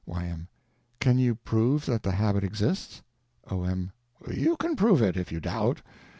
Y.M. Can you prove that the habit exists? O.M. You can prove it, if you doubt.